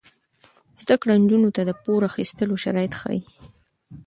زده کړه نجونو ته د پور اخیستلو شرایط ښيي.